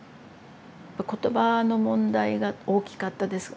言葉の問題が大きかったです